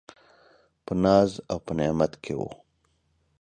په ناز او په نعمت کي و .